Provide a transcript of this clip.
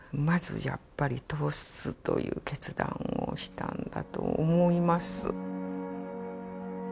まずやっぱり通すという決断をしたんだと思います。